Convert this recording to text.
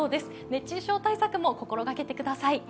熱中症対策も心掛けてください。